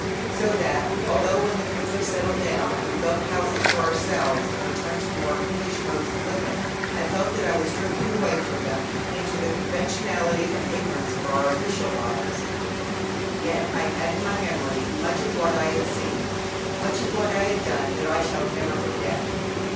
So that although when the country settled down, and we built houses for ourselves and returned more to English modes of living, I felt that I was drifting away from them into the conventionality and ignorance of our official lives, yet I had in my memory much of what I had seen, much of what I had done, that I shall never forget.